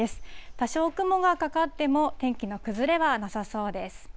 多少雲がかかっても、天気の崩れはなさそうです。